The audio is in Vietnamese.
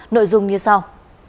nội dung như sau